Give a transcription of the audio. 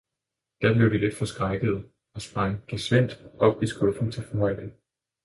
Da blev de lidt forskrækkede, og sprang gesvindt op i skuffen til forhøjningen.